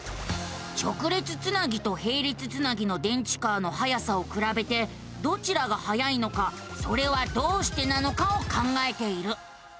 直列つなぎとへい列つなぎの電池カーのはやさをくらべてどちらがはやいのかそれはどうしてなのかを考えている。